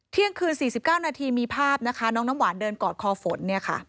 เที่ยงคืน๔๙นาทีมีภาพนะคะน้องน้ำหวานเดินกอดคอฝน